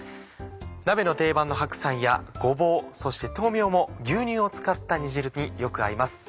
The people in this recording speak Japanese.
鍋の定番の白菜やごぼうそして豆苗も牛乳を使った煮汁によく合います。